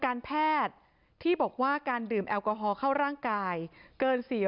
การแพทย์ที่บอกว่าการดื่มแอลกอฮอลเข้าร่างกายเกิน๔๐